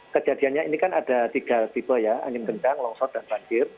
kejadiannya ini kan ada tiga tipe ya angin kencang longsor dan banjir